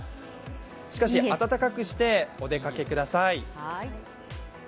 しかし、暖かくしてお出かけください。